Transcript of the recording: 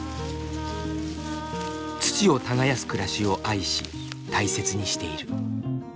土を耕す暮らしを愛し大切にしている。